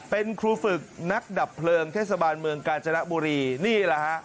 เป็นครูฝึกนักดับเพลิงเทศบาลเมืองกาญจนบุรีนี่แหละฮะ